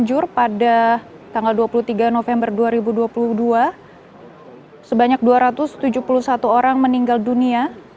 selain itu sudah lebih dari dua orang yang meninggal dunia